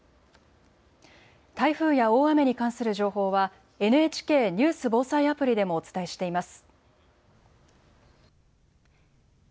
台風や大雨に関する情報はＮＨＫニュース・防災アプリでもお伝えしています。